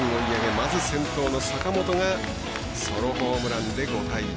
まず先頭の坂本がソロホームランで５対２。